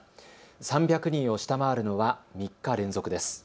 ３００人を下回るのは３日連続です。